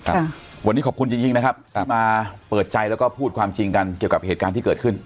อ่าวันนี้ขอบคุณจริงจริงนะครับที่มาเปิดใจแล้วก็พูดความจริงกันเกี่ยวกับเหตุการณ์ที่เกิดขึ้น